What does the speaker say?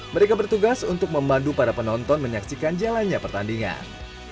mereka bertugas untuk memandu para penonton menyaksikan jalannya pertandingan